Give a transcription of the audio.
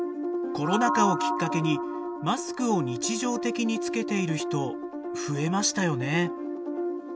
コロナ禍をきっかけにマスクを日常的につけている人増えましたよね。